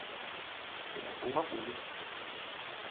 Geɗa kpomgbá kpomgbí.